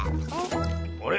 あれ？